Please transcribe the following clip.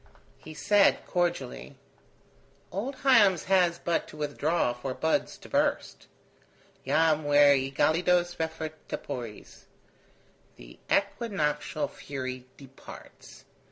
He said, cordially: "Old Hiems has but to withdraw for buds to burst. 'Jam ver egelidos refert tepores.' The equinoctial fury departs.